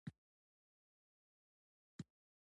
چرګان د افغانانو د تفریح یوه وسیله ده.